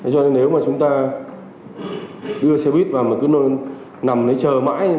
cho nên nếu mà chúng ta đưa xe buýt vào mà cứ nằm đấy chờ mãi